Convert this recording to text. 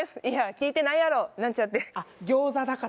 いや聞いてないやろなんちゃって